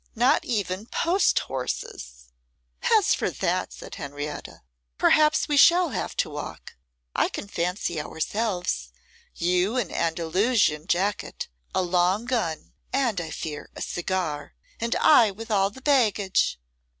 not even post horses!"' 'As for that,' said Henrietta, 'perhaps we shall have to walk. I can fancy ourselves, you with an Andalusian jacket, a long gun, and, I fear, a cigar; and I with all the baggage.